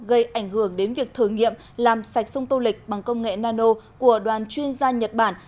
gây ảnh hưởng đến việc thử nghiệm làm sạch sông tô lịch bằng công nghệ nano của đoàn chuyên gia nhật bản